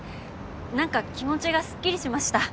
何か気持ちがすっきりしました。